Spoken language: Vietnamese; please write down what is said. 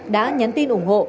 đã nhắn tin ủng hộ